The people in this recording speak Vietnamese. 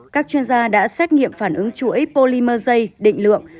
các chuyên gia đã xét nghiệm phản ứng chuỗi polymerse định lượng